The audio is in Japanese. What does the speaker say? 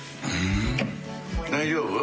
大丈夫？